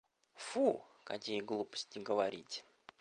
Фу какие глупости говорите.